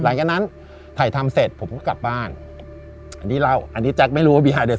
หลังจากนั้นถ่ายทำเสร็จผมก็กลับบ้านอันนี้เล่าอันนี้แจ๊คไม่รู้ว่าบีฮายเดิน